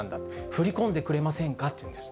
振り込んでくれませんかというんです。